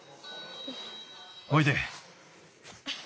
おいで。